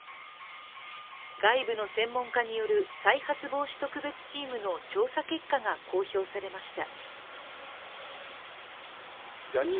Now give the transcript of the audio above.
外部の専門家による再発防止特別チームの調査結果が公表されました。